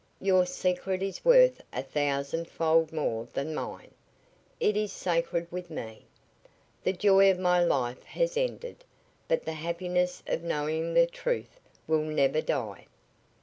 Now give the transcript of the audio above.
Your secret is worth a thousand fold more than mine. It is sacred with me. The joy of my life has ended, but the happiness of knowing the truth will never die.